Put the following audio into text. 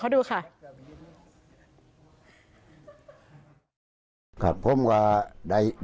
วิทยาลัยศาสตรี